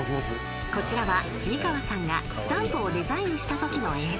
［こちらは美川さんがスタンプをデザインしたときの映像］